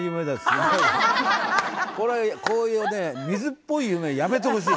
こういうね水っぽい夢はやめてほしい。